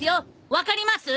分かります？